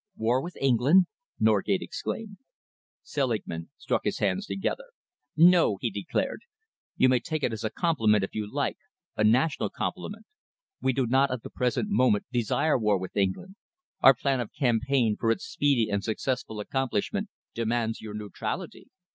"War with England?" Norgate exclaimed. Selingman struck his hands together. "No!" he declared. "You may take it as a compliment, if you like a national compliment. We do not at the present moment desire war with England. Our plan of campaign, for its speedy and successful accomplishment, demands your neutrality.